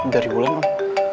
dari bulan om